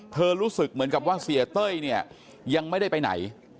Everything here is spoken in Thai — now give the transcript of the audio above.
รู้สึกเหมือนกับว่าเสียเต้ยเนี่ยยังไม่ได้ไปไหน